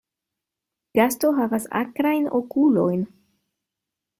Gasto havas akrajn okulojn.